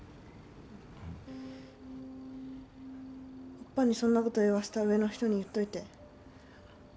オッパにそんなこと言わせた上の人に言っといて。